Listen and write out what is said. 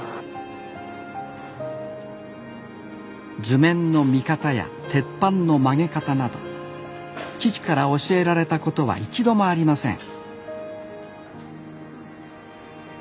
図面の見方や鉄板の曲げ方など父から教えられたことは一度もありません